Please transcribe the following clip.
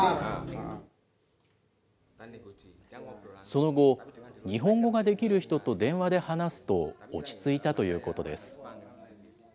その後、日本語ができる人と電話で話すと落ち着いたということです。